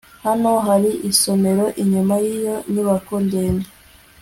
Hano hari isomero inyuma yiyo nyubako ndende